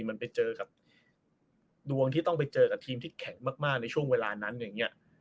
มันไปเจอกับดวงที่ต้องไปเจอกับทีมที่แข็งมากในช่วงเวลานั้นอย่างนี้